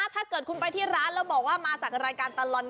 ถ้าเกิดไปร้านแล้วบอกว่าสอนลด๑๐